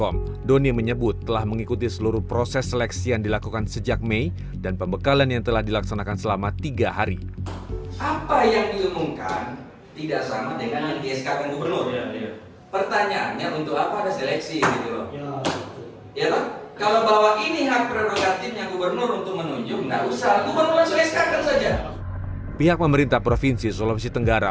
pihak pemerintah provinsi sulawesi tenggara